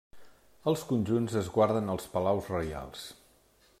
Els conjunts es guarden als palaus reials.